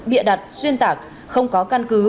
bịa đặt xuyên tạc không có căn cứ